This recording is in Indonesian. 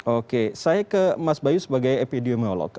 oke saya ke mas bayu sebagai epidemiolog